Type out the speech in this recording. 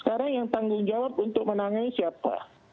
sekarang yang tanggung jawab untuk menangani siapa